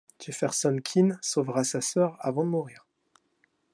Jefferson Keane sauvera sa sœur avant de mourir.